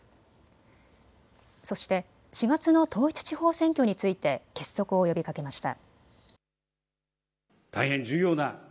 そして４月の統一地方選挙について結束を呼びかけました。